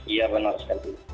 iya benar sekali